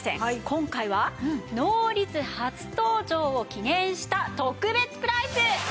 今回はノーリツ初登場を記念した特別プライス。